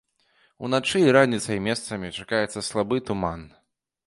Уначы і раніцай месцамі чакаецца слабы туман.